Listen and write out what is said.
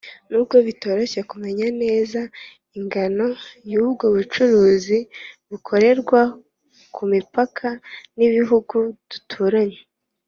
n'ubwo bitoroshye kumenya neza ingano y'ubwo bucuruzi bukorerwa ku mipaka n'ibihugu duturanye.